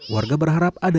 warga berharap adanya jalan